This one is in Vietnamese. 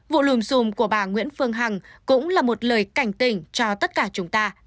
vụ lùm xùm của bà nguyễn phương hằng cũng là một lời cảnh tỉnh cho tất cả chúng ta